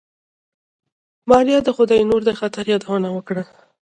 ماريا د خداينور د خطر يادونه وکړه.